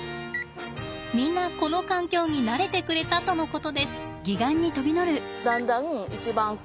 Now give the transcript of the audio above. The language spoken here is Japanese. みんなこの環境に慣れてくれたとのことです。